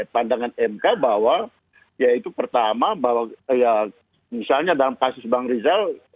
pandangan mk bahwa ya itu pertama bahwa ya misalnya dalam kasus bang rizal